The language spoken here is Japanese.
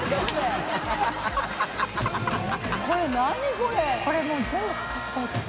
これもう全部使っちゃうじゃん。